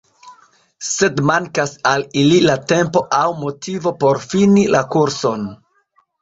Sed mankas al ili la tempo aŭ motivo por fini la kurson.